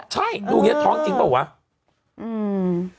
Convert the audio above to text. ใช่ดูเขียนความท้องจริงกับผมทุกวัน